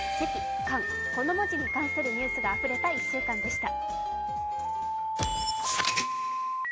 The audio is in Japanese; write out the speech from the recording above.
この文字に関するニュースがあふれた１週間でした。